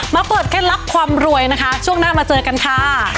เปิดเคล็ดลับความรวยนะคะช่วงหน้ามาเจอกันค่ะ